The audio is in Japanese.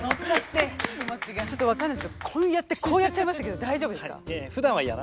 ちょっと分かんないんですけどこうやってこうやっちゃいましたけど大丈夫ですか？